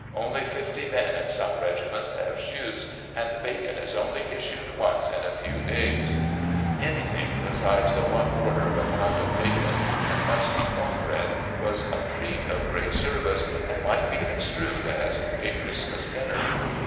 Only fifty men in some regiments have shoes, and bacon is only issued once in a few days," anything besides the one quarter of a pound of bacon and musty corn bread was a treat of great service, and might be construed as "a Christmas dinner."